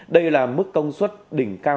đây là mức công suất đỉnh cao